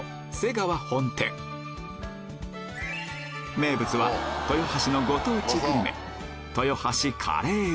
名物は豊橋のご当地グルメ